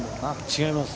違います。